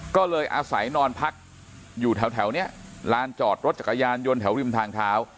ก็เลยอาศัยนอนพักอยู่แถวนี้ลานจอดรถจักรยานยนต์แถวริมทางเท้า